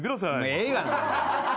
ええがな。